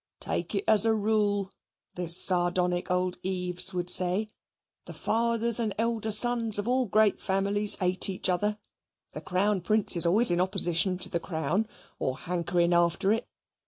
"Take it as a rule," this sardonic old Eaves would say, "the fathers and elder sons of all great families hate each other. The Crown Prince is always in opposition to the crown or hankering after it.